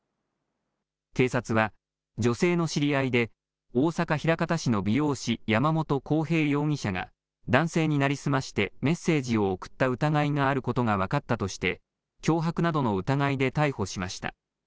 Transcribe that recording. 警察は、女性の知り合いで大阪・枚方市の美容師山本紘平容疑者が男性に成り済ましてメッセージを送った疑いがあることが分かったとして脅迫などの疑いで逮捕しました。